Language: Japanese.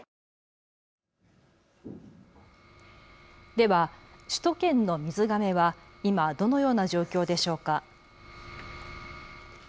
では首都圏の水がめは今、どのような状況でしょうか。